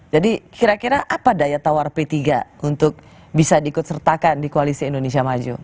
jadi kira kira apa daya tawar p tiga untuk bisa diikut sertakan di koalisi indonesia maju